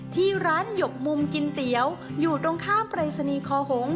ที่ร้านหยกมุมกินเตี๋ยวอยู่ตรงข้ามปรายศนีย์คอหง